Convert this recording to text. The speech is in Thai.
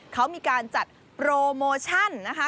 เขามีการจัดโปรโมชั่นนะคะ